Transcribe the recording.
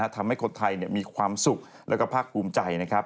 ทำให้คนไทยมีความสุขแล้วก็ภาคภูมิใจนะครับ